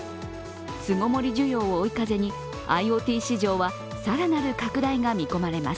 巣ごもり需要を追い風に、ＩｏＴ市場は更なる拡大が見込まれます。